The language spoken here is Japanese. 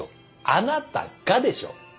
あなたがでしょ？